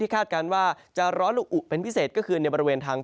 คาดการณ์ว่าจะร้อนละอุเป็นพิเศษก็คือในบริเวณทาง